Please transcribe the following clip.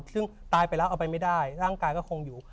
ซึ่งตายไปแล้วเอาไปไม่ได้ร่างกายก็คงอยู่